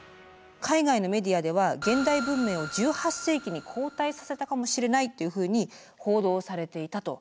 海外のメディアでは「現代文明を１８世紀に後退させたかもしれない」というふうに報道されていたと。